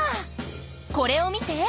これを見て！